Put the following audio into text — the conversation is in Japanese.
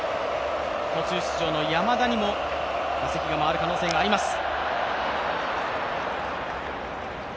途中出場の山田にも打席が回る可能性があります。